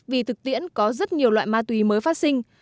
vì thực tiễn có rất nhiều loại ma túy mới phát sinh